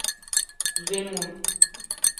Кузе мом?